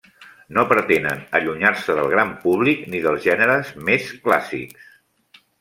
No pretenen allunyar-se del gran públic ni dels gèneres més clàssics.